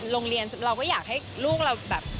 โรงเรียนเราก็อยากให้ลูกเราแบบ